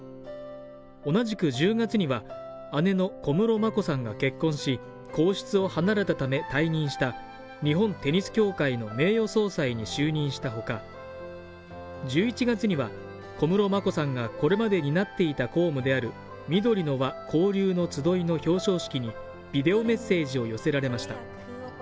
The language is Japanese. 同じく１０月には姉の小室眞子さんが結婚し皇室を離れたため退任した日本テニス協会の名誉総裁に就任したほか１１月には、小室眞子さんがこれまで担っていた公務である「みどりの『わ』交流のつどい」の表彰式にビデオメッセージを寄せられました。